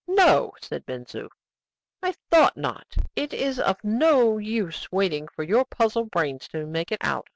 "No!" said Ben Zoof. "I thought not; it is of no use waiting for your puzzle brains to make it out.